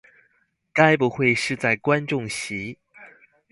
該不會是在觀眾席